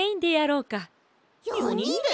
４にんで！？